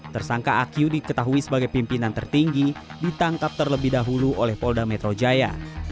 tersangka akiu diketahui sebagai pimpinan tertinggi ditangkap terlebih dahulu oleh polda metro jaya